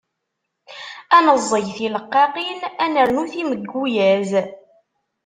Ad neẓẓeg tileqqaqin, ad nernu timegguyaz.